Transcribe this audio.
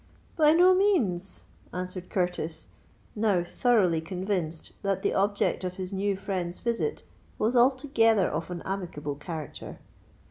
"By no means," answered Curtis, now thoroughly convinced that the object of his new friend's visit was altogether of an amicable character.